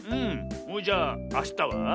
それじゃああしたは？